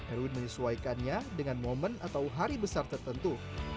erwin menyesuaikannya dengan momen atau hari besar tertentu